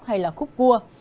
hay là khúc cua